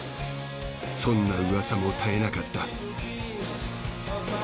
そんな噂も絶えなかった。